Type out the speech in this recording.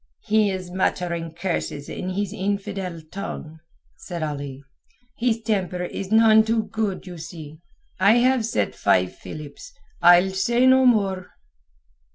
"He is muttering curses in his infidel tongue," said Ali. "His temper is none too good, you see. I have said five philips. I'll say no more."